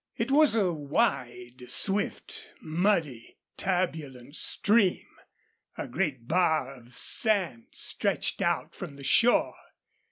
It was a wide, swift, muddy, turbulent stream. A great bar of sand stretched out from the shore.